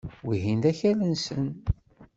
Wihin d akal-nsen.